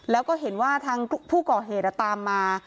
แล้วก็เห็นว่าทางผู้ก่อเหตุตามมา